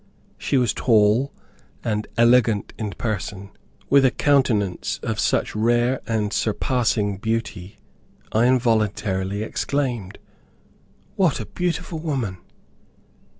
She was tall, and elegant in person, with a countenance of such rare and surpassing beauty, I involuntarily exclaimed, "What a beautiful woman!"